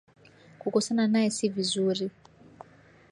Kukosana naye si vizuri.